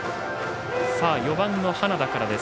４番の花田からです。